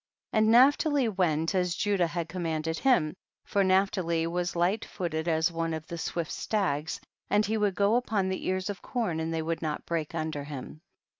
36. And Naphtali went as Judah had commanded him, for Naphtali was light footed as one of the swift stags, and he would go upon the ears of corn and they would not break under him.